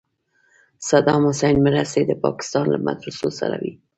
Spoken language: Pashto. صدام حسین مرستې د پاکستان له مدرسو سره وې.